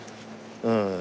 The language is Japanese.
うん。